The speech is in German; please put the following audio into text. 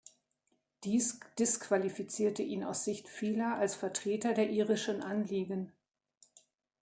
Dies disqualifizierte ihn aus Sicht Vieler als Vertreter der irischen Anliegen.